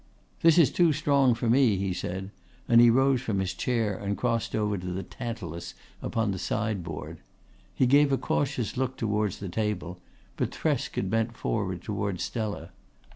"This is too strong for me," he said, and he rose from his chair and crossed over to the tantalus upon the sideboard. He gave a cautious look towards the table, but Thresk had bent forward towards Stella.